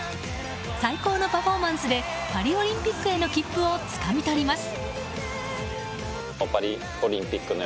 最高のパフォーマンスでパリオリンピックへの切符をつかみ取ります。